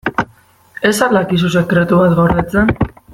Ez al dakizu sekretu bat gordetzen?